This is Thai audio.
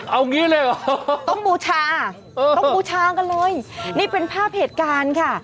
เอางี้เลยเหรอต้องบูชาต้องบูชากันเลยนี่เป็นภาพเหตุการณ์ค่ะ